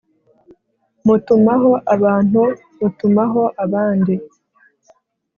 mutumaho abantu mutumaho abandi